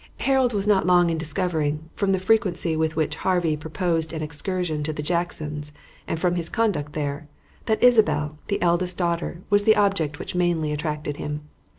Harold was not long in discovering, from the frequency with which Harvey proposed an excursion to the Jacksons' and from his conduct there, that Isabelle, the eldest daughter, was the object which mainly attracted him.